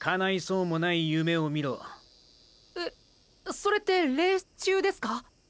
それってレース中ですか？